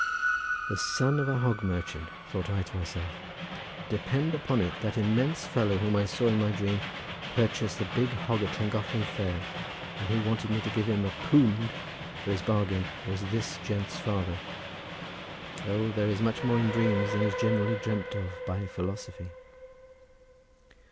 "The son of a hog merchant," thought I to myself. "Depend upon it, that immense fellow whom I saw in my dream purchase the big hog at Llangollen fair, and who wanted me to give him a poond for his bargain, was this gent's father. O there is much more in dreams than is generally dreamt of by philosophy!"